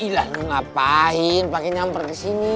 ya ilah lo ngapain pake nyamper kesini